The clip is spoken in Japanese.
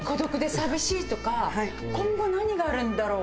今後何があるんだろう？